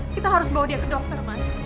kita harus bawa dia ke dokter